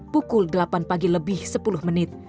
pukul delapan pagi lebih sepuluh menit